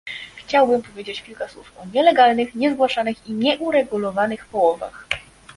Chciałbym powiedzieć kilka słów o nielegalnych, niezgłaszanych i nieuregulowanych połowach